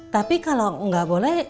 tapi kalau nggak boleh